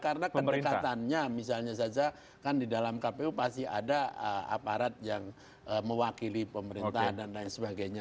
karena kedekatannya misalnya saja kan di dalam kpu pasti ada aparat yang mewakili pemerintah dan lain sebagainya